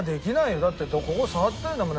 だってここ触ってないんだもんね